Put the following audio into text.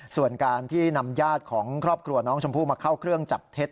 ส่วนการที่นำญาติของครอบครัวน้องชมพู่มาเข้าเครื่องจับเท็จ